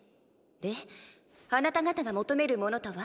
であなた方が求めるものとは？